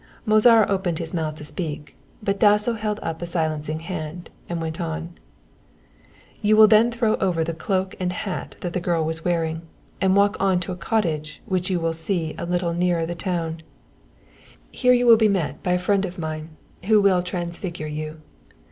Mozara opened his mouth to speak, but Dasso held up a silencing hand, and went on: "You will then throw over the cloak and hat that the girl was wearing, and walk on to a cottage which you will see a little nearer the town. Here you will be met by a friend of mine who will transfigure you.